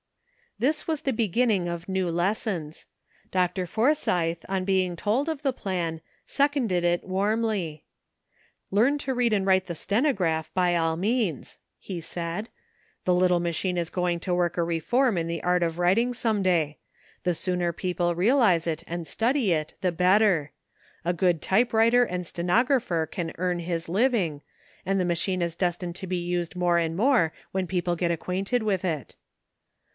This was the beginning of new lessons. Dr. Forsythe, on being told of the plan, seconded it warmly. " Learn to read and write the steno graph, by all means," he said. "The little ma chine is going to work a reform in the art of writing some day ;• the sooner people realize it and study it the better. A good type writer and stenographer can earn his living, and the machine is destined to be used more and more when people get acquainted with it."